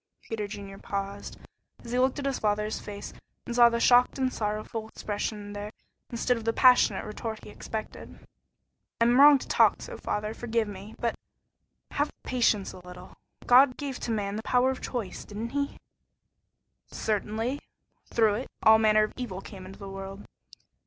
Peter Junior paused, as he looked in his father's face and saw the shocked and sorrowful expression there instead of the passionate retort he expected. "I am wrong to talk so, father; forgive me; but have patience a little. God gave to man the power of choice, didn't he?" "Certainly. Through it all manner of evil came into the world."